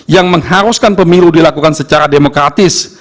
yang mengharuskan pemilu dilakukan secara demokratis